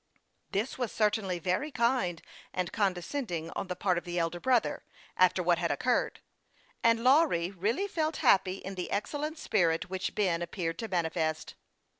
This was certainly very kind and condescending on the part of the elder brother, after what had occurred ; and Lawry really felt happy in the ex cellent spirit which Ben appeared to manifest.